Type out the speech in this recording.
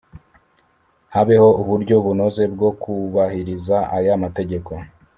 habeho uburyo bunoze bwo kubahiriza aya mategeko